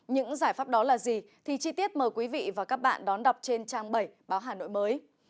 những giải pháp đó là gì thì chi tiết mời quý vị và các bạn đón đọc trên trang bảy báo hà nội mới